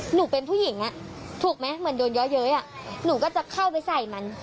หนูเป็นผู้หญิงถูกไหมเหมือนโดนเยอะเย้ยหนูก็จะเข้าไปใส่มัน